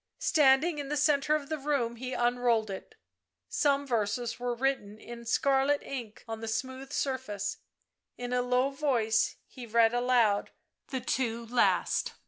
Standing in the centre of the room he unrolled it; some verses were written in a scarlet ink on the smooth surface; in a low voice he read aloud the two last.